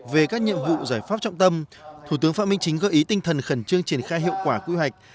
về các nhiệm vụ giải pháp trọng tâm thủ tướng phạm minh chính gợi ý tinh thần khẩn trương triển khai hiệu quả quy hoạch